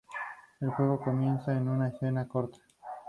El juego comienza con una escena corta.